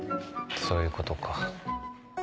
そういうことか。